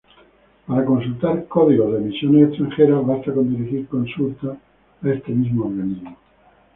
Para consultar códigos de emisiones extranjeras basta con dirigir consulta a este mismo organismo.